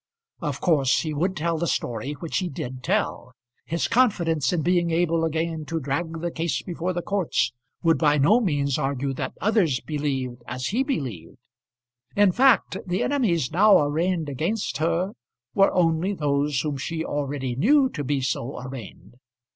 Of course he would tell the story which he did tell. His confidence in being able again to drag the case before the Courts would by no means argue that others believed as he believed. In fact the enemies now arraigned against her were only those whom she already knew to be so arraigned.